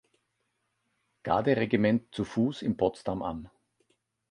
Garde-Regiment zu Fuß in Potsdam an.